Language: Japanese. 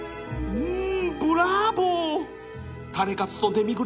うん？